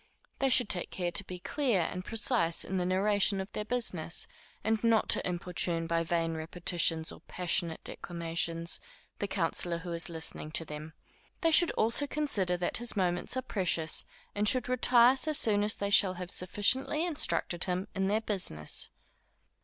They should take care to be clear and precise in the narration of their business, and not to importune by vain repetitions or passionate declamations, the counsellor who is listening to them. They should also consider that his moments are precious, and should retire so soon as they shall have sufficiently instructed him in their business.